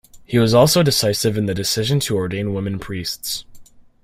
He was also decisive in the decision to ordain women priests.